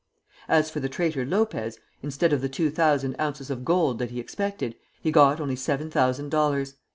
As for the traitor Lopez, instead of the two thousand ounces of gold that he expected, he got only seven thousand dollars.